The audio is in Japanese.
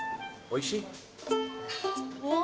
おいしい！